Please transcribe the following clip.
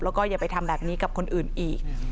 แล้วก็อย่าไปทำแบบนี้กับคนอื่นอีก